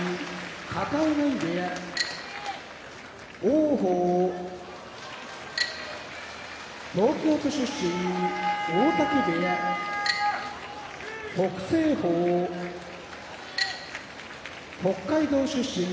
片男波部屋王鵬東京都出身大嶽部屋北青鵬北海道出身